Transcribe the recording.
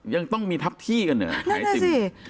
ยังต้องมีทัพที่กันเหรอนั่นแหละสิ